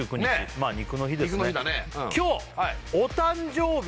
まぁ肉の日ですねねぇ